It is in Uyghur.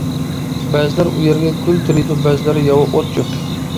بەزىلەر ئۇيەرگە گۈل تېرىيدۇ، بەزىلەر ياۋا ئوت-چۆپ.